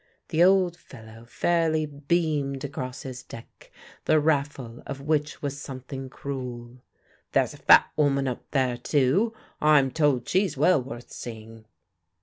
The old fellow fairly beamed across his deck, the raffle of which was something cruel. "There's a fat woman up there, too. I'm told she's well worth seeing."